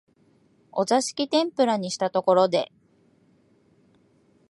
お座敷天婦羅にしたところで、